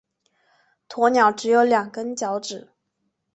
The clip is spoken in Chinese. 鸵鸟只有两根脚趾。